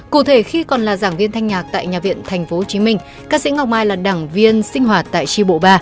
cụ thể khi còn là giảng viên thanh nhạc tại nhà viện tp hcm ca sĩ ngọc mai là đảng viên sinh hoạt tại tri bộ ba